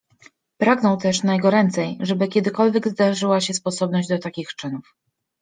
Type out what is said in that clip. Pragnął też najgoręcej, żeby kiedykolwiek zdarzyła się sposobność do takich czynów.